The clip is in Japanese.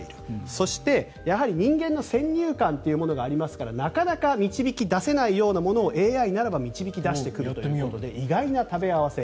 そして、人間の先入観というものがありますからなかなか導き出せないものをＡＩならば導き出してくれるということで意外な組み合わせ。